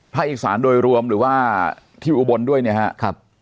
พ่าอีกสารโดยรวมหรือว่าที่อุบลด้วยฮะ